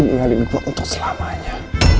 tinggalin gue untuk selamanya